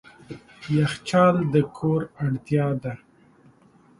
یخچال د کور اړتیا ده.